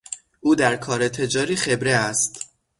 او در کار تجاری خبره است